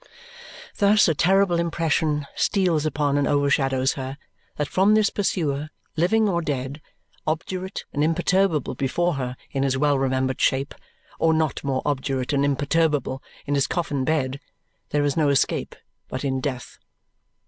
Thus, a terrible impression steals upon and overshadows her that from this pursuer, living or dead obdurate and imperturbable before her in his well remembered shape, or not more obdurate and imperturbable in his coffin bed there is no escape but in death.